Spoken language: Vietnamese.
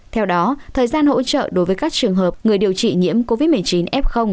theo đó thời gian hỗ trợ đối với các trường hợp người điều trị nhiễm covid một mươi chín f